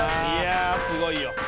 いやすごいよ。